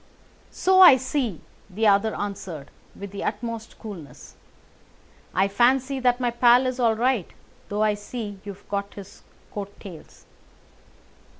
"So I see," the other answered with the utmost coolness. "I fancy that my pal is all right, though I see you have got his coat tails."